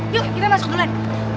yuk kita masuk duluan